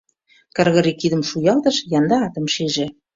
Кыргорий кидым шуялтыш — янда атым шиже.